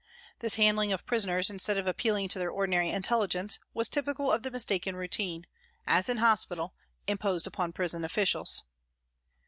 This handling of prisoners instead of appealing to their ordinary intelligence was typical of the mistaken routine, as in hospital, imposed upon prison officials.